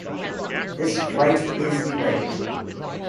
This flight is delayed.